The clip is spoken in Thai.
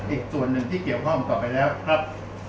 อีกส่วนหนึ่งที่เกี่ยวข้องต่อไปแล้วครับ